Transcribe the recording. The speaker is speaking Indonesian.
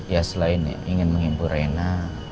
ya selain ingin mengimpul reyna